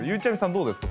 どうですか？